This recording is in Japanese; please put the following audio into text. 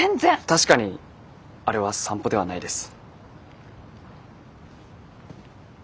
確かにあれは散歩ではないです。